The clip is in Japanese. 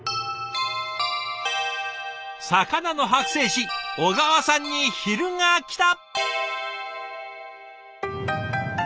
魚の剥製師小川さんに昼がきた。